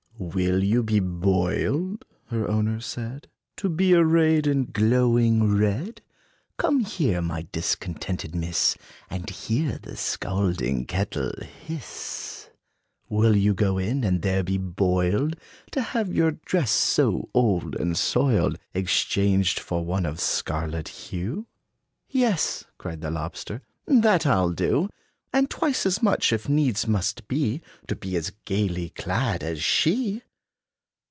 "Will you be boiled?" her owner said, "To be arrayed in glowing red? Come here, my discontented miss, And hear the scalding kettle hiss! Will you go in, and there be boiled, To have your dress, so old and soiled, Exchanged for one of scarlet hue?" "Yes," cried the lobster, "that I 'll do, And twice as much, if needs must be, To be as gayly clad as she."